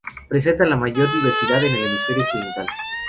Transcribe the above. Presentan la mayor diversidad en el hemisferio occidental.